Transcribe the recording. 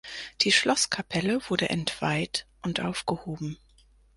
Die Schlosskapelle wurde entweiht und aufgehoben.